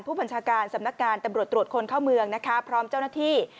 ผู้บัญชาการสำนักงานตำรวจตรวจคนเข้าเมืองนะคะพร้อมเจ้าหน้าที่